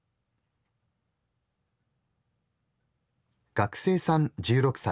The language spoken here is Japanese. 学生さん１６歳。